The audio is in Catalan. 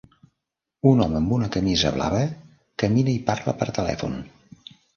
Un home amb una camisa blava camina i parla per telèfon.